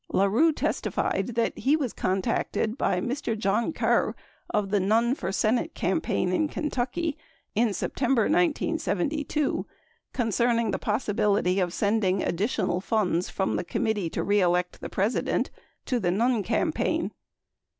La Rue testified that he was contacted by Mr. John Kerr of the Nunn for Senate campaign in Kentucky in September 1972 concern ing the possibility of sending additional fimds from the Committee To Re Elect the President to the Nunn campaign.